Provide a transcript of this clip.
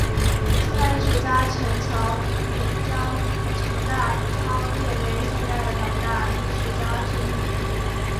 现代郦学家陈桥驿将程大昌列为宋代的两大郦学家之一。